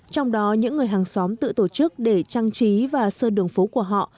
trong đó những người hàng xóm tự tổ chức để trang trí và sơn đường phố của họ